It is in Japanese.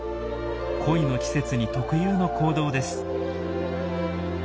恋の季節に特有の行動です。